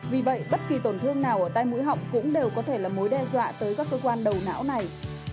vì vậy bất kỳ tổn thương nào ở tai mũi họng cũng đều có thể là mối đe dọa tới các cơ quan đầu não này